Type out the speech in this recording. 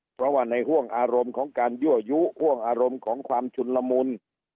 เพราะว่าในห่วงอารมณ์ของการยั่วยุห่วงอารมณ์ของความชุนละมุน